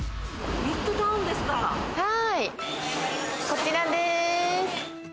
こちらです。